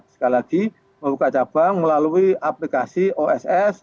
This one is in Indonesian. sekali lagi membuka cabang melalui aplikasi oss